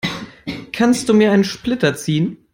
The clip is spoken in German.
Kannst du mir einen Splitter ziehen?